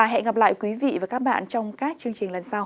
hẹn gặp lại quý vị và các bạn trong các chương trình lần sau